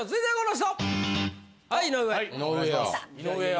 井上や。